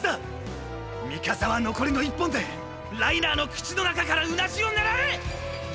ミカサは残りの１本でライナーの口の中からうなじを狙え！！